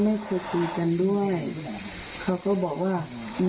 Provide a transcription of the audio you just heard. ไม่เคยด่ากัน